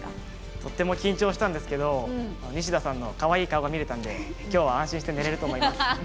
とっても緊張したんですけどニシダさんのかわいい顔が見れたので今日は安心して寝れると思います。